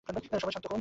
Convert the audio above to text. সবাই শান্ত হউন।